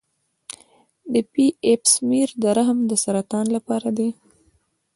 د پی ایپ سمیر د رحم د سرطان لپاره دی.